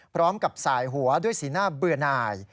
พร้อมกับสายหัวด้วยสีหน้าเบื่อหน่าย